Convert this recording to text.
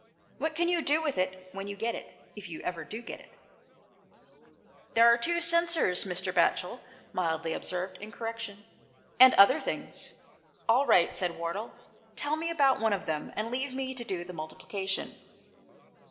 What can you do with it when you get it, if you ever do get it ?" "There are two censers," Mr. Batchel mildly observed in correction, " and other things." "All right," said Wardle; "tell me about one of them, and leave me to do the multiplica tion."